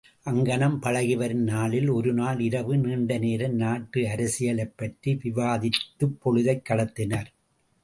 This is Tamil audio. அங்ஙனம் பழகி வரும் நாளில் ஒரு நாள் இரவு நீண்ட நோம் நாட்டு அரசியலைப்பற்றி விவாதித்துப்பொழுதைக் கடத்தினர்.